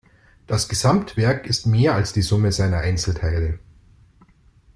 Das Gesamtwerk ist mehr als die Summe seiner Einzelteile.